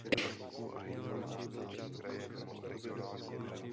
Kaple Božího hrobu zaklenutá kopulí je na turistické stezce v navazujícím lesním porostu.